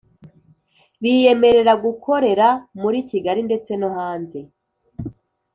biyemerera gukorera muri Kigali ndetse no hanze